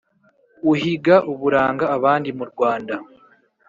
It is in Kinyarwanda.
uhiga uburanga abandi murwanda.